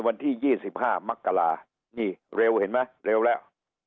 วันที่๒๕มกรานี่เร็วเห็นไหมเร็วแล้ว